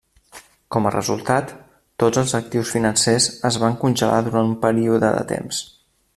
Com a resultat, tots els actius financers es van congelar durant un període de temps.